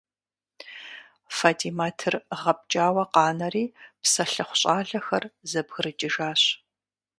ФатӀимэтыр гъэпкӀауэ къанэри, псэлъыхъу щӀалэхэр зэбгрыкӀыжащ.